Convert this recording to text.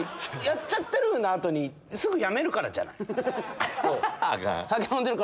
「やっちゃってる」の後にすぐやめるからじゃない？